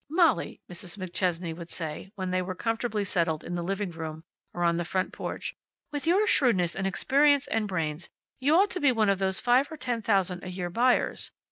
"Molly," Mrs. McChesney would say, when they were comfortably settled in the living room, or on the front porch, "with your shrewdness, and experience, and brains, you ought to be one of those five or ten thousand a year buyers.